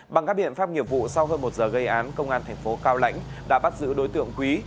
bằng các biện pháp nghiệp vụ sau hơn một giờ gây án công an thành phố cao lãnh đã bắt giữ đối tượng quý